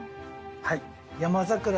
はい。